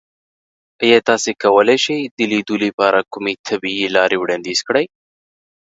ایا تاسو کولی شئ د لیدو لپاره کومې طبیعي لارې وړاندیز کړئ؟